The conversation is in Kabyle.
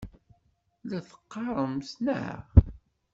La t-teqqaremt, naɣ?